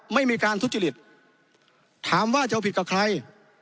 ไม่มีการทุจริตถามว่าจะเอาผิดกับใคร